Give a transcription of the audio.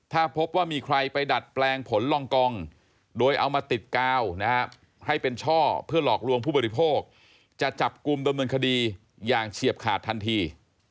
ถ้าพบว่ามีใครไปดัดแปลงผลลองกองโดยเอามาติดกาวนะฮะให้เป็นช่อเพื่อหลอกลวงผู้บริโภคจะจับกลุ่มดำเนินคดีอย่างเฉียบขาดทันที